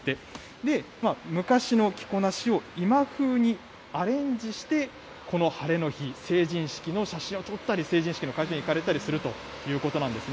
で、昔の着こなしを今風にアレンジして、この晴れの日、成人式の写真を撮ったり、成人式の会場に行かれたりするということなんですね。